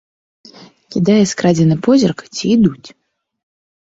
Кідае скрадзены позірк, ці ідуць.